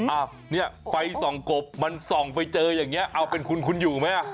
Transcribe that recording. อ้าวเนี่ยไฟส่องกบมันส่องไปเจออย่างนี้เอาเป็นคุณคุณอยู่ไหม